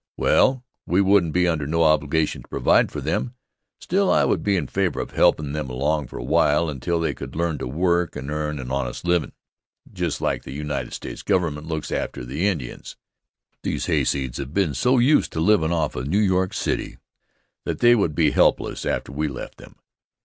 Well, we wouldn't be under no obligation to provide for them; still I would be in favor of helpin' them along for a while until they could learn to work and earn an honest livin', just like the United States Government looks after the Indians. These hayseeds have been so used to livin' off of New York City that they would be helpless after we left them.